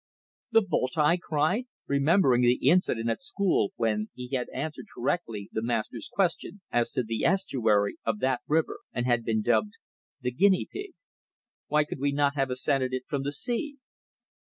"The Volta!" I cried, remembering the incident at school when he had answered correctly the master's question as to the estuary of that river, and had been dubbed "the Guinea Pig." "Why could we not have ascended it from the sea?"